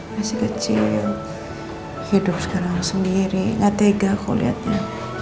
masih kecil hidup sekarang sendiri nggak tega kok liatnya